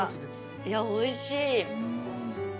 いやおいしい。